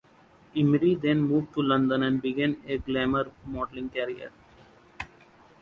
Imrie then moved to London and began a glamour modelling career.